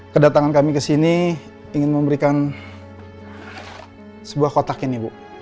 kedatangan kami ke sini ingin memberikan sebuah kotak ini bu